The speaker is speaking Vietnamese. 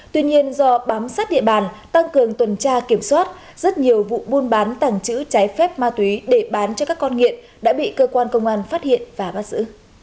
tuy nhiên do bám sát địa bàn tăng cường tuần tra kiểm soát rất nhiều vụ buôn bán tặng chữ trái phép ma túy để bán cho các con nghiện đã bị cơ quan công an phát hiện và bắt giữ